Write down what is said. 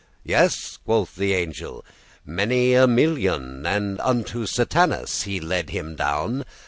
'Yes' quoth the angel; 'many a millioun:' And unto Satanas he led him down.